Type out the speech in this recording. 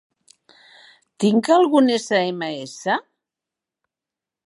Tinc algun sms?